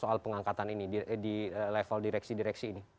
soal pengangkatan ini di level direksi direksi ini